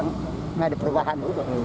nggak ada perubahan